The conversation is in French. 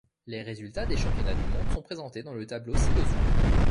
Les résultats des championnats du monde sont présentés dans le tableau ci-dessous.